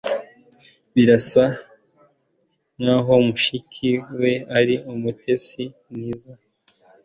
Birasa nkaho mushiki we ari umutetsi mwiza.